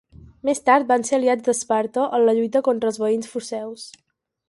Més tard van ser aliats d'Esparta en la lluita contra els veïns foceus.